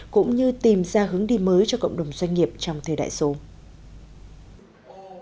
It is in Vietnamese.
cũng như tìm ra hướng đi mới cho cộng đồng doanh nghiệp trong thời đại số